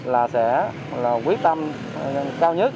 là sẽ quyết tâm cao nhất